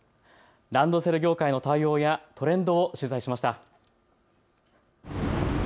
ランドセル業界の対応やトレンドを取材しました。